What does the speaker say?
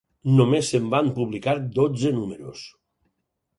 Només se'n van publicar dotze números.